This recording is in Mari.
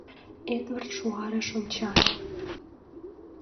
Эдвард шуарыш ончале.